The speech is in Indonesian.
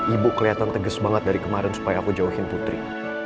ibu kelihatan tegas banget dari kemarin supaya aku jauhin putri